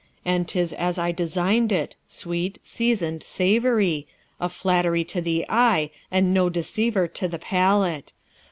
And 'tis as I designed it, sweet, seasoned, savoury, a flattery to the eye and no deceiver to the palate.